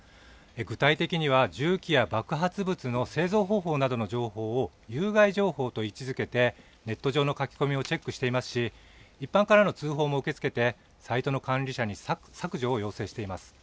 具体的には銃器や爆発物の製造方法などの情報を有害情報と位置づけてネット上の書き込みをチェックしていますし一般からの通報も受け付けてサイトの管理者に削除を要請しています。